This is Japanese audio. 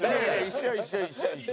一緒一緒一緒一緒。